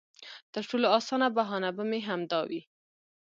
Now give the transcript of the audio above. تر ټولو اسانه بهانه به مې همدا وي.